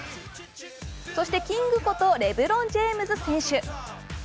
キングことレブロン・ジェームズ選手。